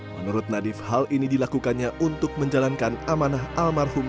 menurut nadif hal ini dilakukannya untuk menjalankan amanah almarhum